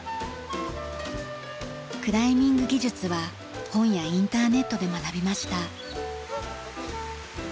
クライミング技術は本やインターネットで学びました。